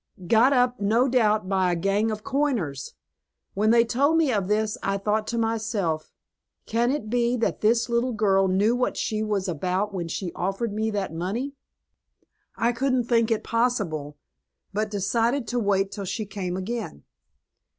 Got up, no doubt, by a gang of coiners. When they told me of this I thought to myself, 'Can it be that this little girl knew what she was about when she offered me that money?' I couldn't think it possible, but decided to wait till she came again."